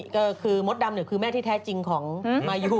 ก็คือมดดำคือแม่ที่แท้จริงของมายู